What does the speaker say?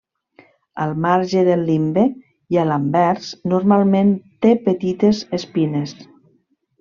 Al marge del limbe i a l'anvers normalment té petites espines.